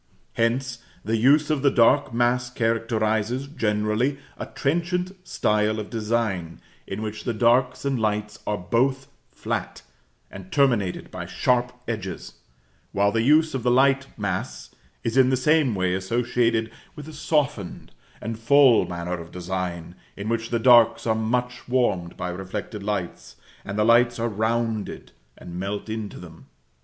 Hence, the use of the dark mass characterises, generally, a trenchant style of design, in which the darks and lights are both flat, and terminated by sharp edges; while the use of the light mass is in the same way associated with a softened and full manner of design, in which the darks are much warmed by reflected lights, and the lights are rounded and melt into them.